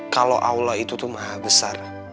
kalau allah itu tuh maha besar